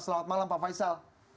selamat malam pak faisal